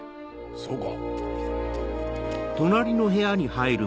そうか。